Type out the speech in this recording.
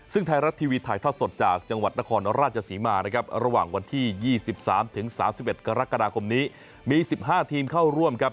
ซึ่งไทยรัฐทีวีถ่ายทอดสดจากจังหวัดนครราชศรีมานะครับระหว่างวันที่๒๓๓๑กรกฎาคมนี้มี๑๕ทีมเข้าร่วมครับ